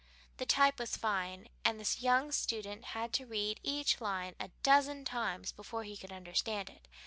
The type was fine, and the young student had to read each line a dozen times before he could understand it.